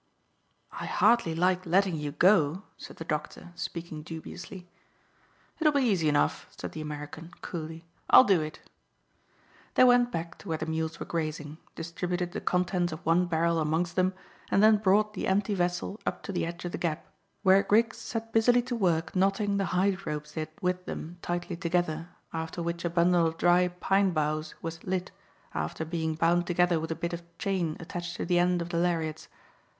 "I hardly like letting you go," said the doctor, speaking dubiously. "It'll be easy enough," said the American coolly. "I'll do it." They went back to where the mules were grazing, distributed the contents of one barrel amongst them, and then brought the empty vessel up to the edge of the gap, where Griggs set busily to work knotting the hide ropes they had with them tightly together, after which a bundle of dry pine boughs was lit, after being bound together with a bit of chain attached to the end of the lariats.